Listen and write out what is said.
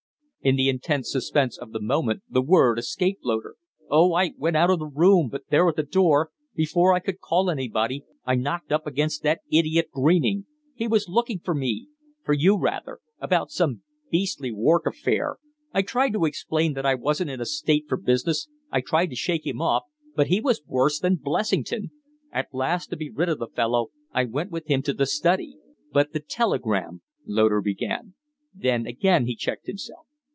In the intense suspense of the moment the word escaped Loder. "Oh, I went out of the room; but there at the door, before I could call anybody, I knocked up against that idiot Greening. He was looking for me for you, rather about some beastly Wark affair. I tried to explain that I wasn't in a state for business; I tried to shake him off, but he was worse than Blessington. At last, to be rid of the fellow, I went with him to the study " "But the telegram?" Loder began; then again he checked himself.